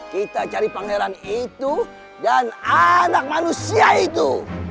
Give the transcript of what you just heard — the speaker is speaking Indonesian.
kita cari pangeran itu dan anak manusia itu